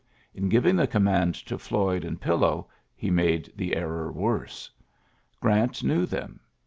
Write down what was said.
In giv ing the command to Floyd and Pillow, he made the error worse. Grant knew them.